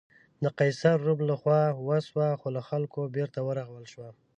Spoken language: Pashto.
د قیصر روم له خوا وسوه، خو له خلکو بېرته ورغول شوه.